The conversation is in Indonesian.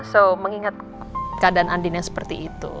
so mengingat keadaan andina seperti itu